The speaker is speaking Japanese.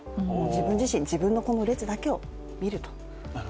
自分自身、この列だけを見ると。